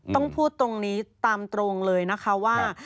ต้องพูดตรงนี้ตามตรงเลยนะคะว่า